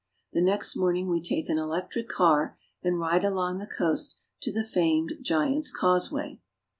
The next morning we take an electric car and ride along the coast to the famed Giant's Causeway.